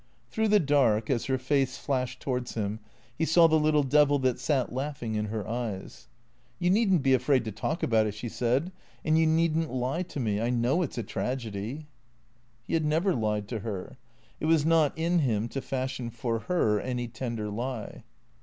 Through the dark, as her face flashed towards him, he saw the little devil that sat laughing in her eyes. " You need n't be afraid to talk about it," she said. " And you need n't lie to me. I know it 's a tragedy." He had never lied to her. It was not in him to fashion for her any tender lie.